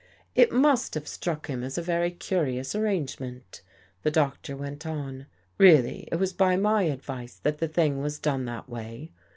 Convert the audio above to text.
" It must have struck him as a very curious ar rangement," the Doctor went on. Really it was by my advice that the thing was done that way.